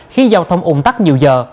khi giao thông ủng tắc nhiều giờ